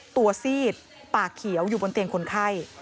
ซีดปากเขียวอยู่บนเตียงคนไข้